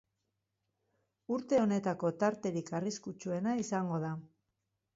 Urte honetako tarterik arriskutsuena izango da.